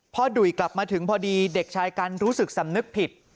ดุ่ยกลับมาถึงพอดีเด็กชายกันรู้สึกสำนึกผิด